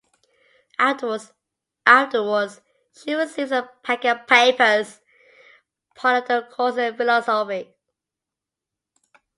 Afterwards, she receives a packet of papers, part of a course in philosophy.